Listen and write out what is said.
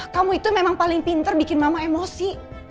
kamu itu memang paling pinter bikin mama emosi